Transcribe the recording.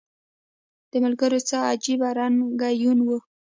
د ملګرو څه عجیبه رنګه یون و